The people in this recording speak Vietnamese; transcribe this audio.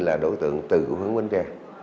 là đối tượng từ hướng bến tre